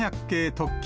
特急